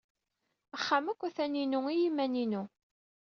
Axxam akk atan inu i yiman-inu.